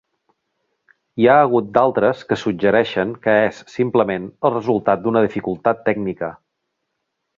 Hi ha hagut d'altres que suggereixen que és simplement el resultat d'una dificultat tècnica.